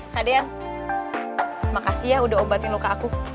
kak del makasih ya udah obatin luka aku